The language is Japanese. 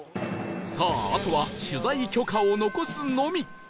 さああとは取材許可を残すのみ